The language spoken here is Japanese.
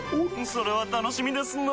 それは楽しみですなぁ。